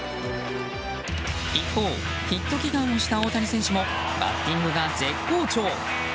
一方、ヒット祈願をした大谷選手もバッティングが絶好調。